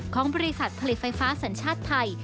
ของบริษัทผลิตไฟฟ้าสัญชาติไทย